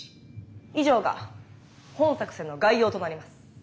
以上が本作戦の概要となります。